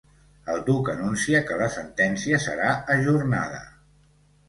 El duc anuncia que la sentència serà ajornada.